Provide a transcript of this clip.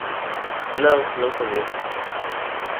Não, nunca o vi.